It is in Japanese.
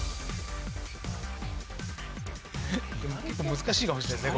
難しいかもしれないですね。